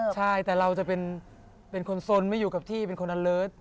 ใช่แต่เราจะเป็นคนสนไม่อยู่กับที่เป็นคนอันเลิศ